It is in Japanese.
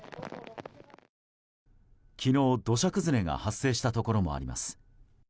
昨日、土砂崩れが発生したところもあります。